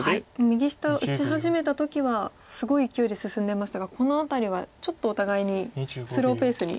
右下打ち始めた時はすごいいきおいで進んでましたがこの辺りはちょっとお互いにスローペースに。